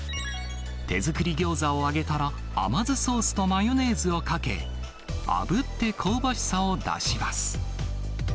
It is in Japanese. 手作りギョーザを揚げたら、甘酢ソースとマヨネーズをかけ、あぶって香ばしさを出します。